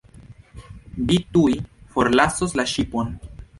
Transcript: Vi tuj forlasos la ŝipon.